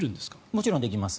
もちろんできます。